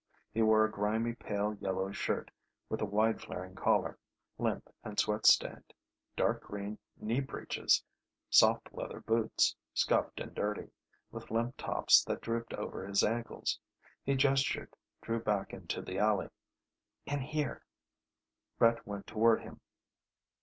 He wore a grimy pale yellow shirt with a wide flaring collar, limp and sweat stained, dark green knee breeches, soft leather boots, scuffed and dirty, with limp tops that drooped over his ankles. He gestured, drew back into the alley. "In here." Brett went toward him.